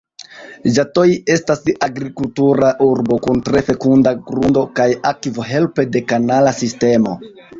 Ĝatoi estas agrikultura urbo kun tre fekunda grundo kaj akvo helpe de kanala sistemo.